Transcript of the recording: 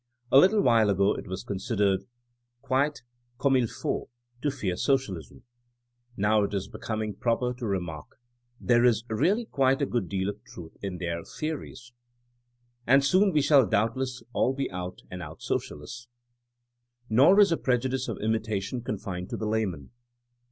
A little while ago it was con sidered quite comme il faut to fear socialism. Now it is becoming proper to remark, There is really quite a good deal of truth in their the ories. '' And soon we shall doubtless all be out and out socialists. Nor is the prejudice of imitation confined to the layman.